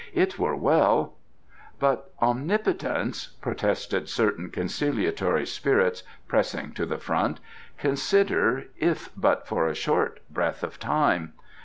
It were well " "But, omnipotence," protested certain conciliatory spirits, pressing to the front, "consider, if but for a short breath of time.